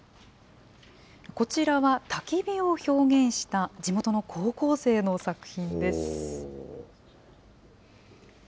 こちらは、たき火を表現した地元の高校生の作品です。